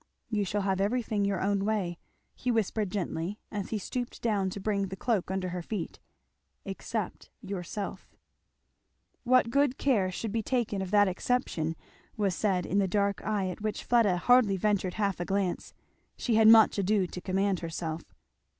"You shall have everything your own way," he whispered gently, as he stooped down to bring the cloak under her feet, "except yourself." What good care should be taken of that exception was said in the dark eye at which Fleda hardly ventured half a glance. She had much ado to command herself.